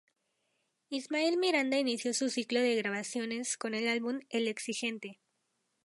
Ismael Miranda inició su ciclo de grabaciones con el álbum "El exigente".